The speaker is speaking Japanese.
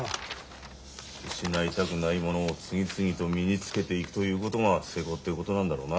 失いたくないものを次々と身につけていくということが成功っていうことなんだろうな。